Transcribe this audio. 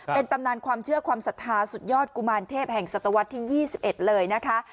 เป็นตำนานความเชื่อความศรัทธาสุดยอดกุมารเทพแห่งศตวรรษที่๒๑เลยนะคะ